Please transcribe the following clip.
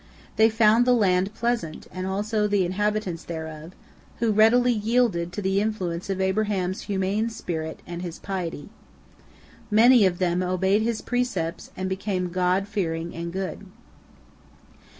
They found the land pleasant, and also the inhabitants thereof, who readily yielded to the influence of Abraham's humane spirit and his piety. Many of them obeyed his precepts and became God fearing and good.